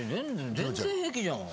全然平気じゃん。